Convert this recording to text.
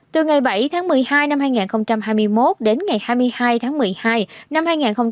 từ ngày bảy tháng một mươi hai năm hai nghìn hai mươi một đến ngày hai mươi hai tháng một mươi hai năm hai nghìn hai mươi ba